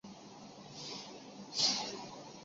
卡斯泰。